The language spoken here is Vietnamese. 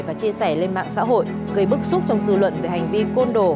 và chia sẻ lên mạng xã hội gây bức xúc trong dư luận về hành vi côn đồ